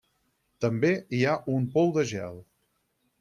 També hi ha un Pou de gel.